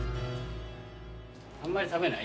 あんまり食べない？